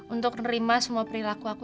untuk nerima semua perilaku aku